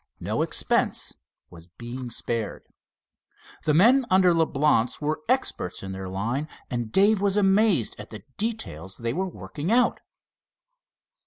No expense was being spared. The men under Leblance were experts in their line, and Dave was amazed at the details they were working out.